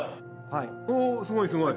おおすごいすごい。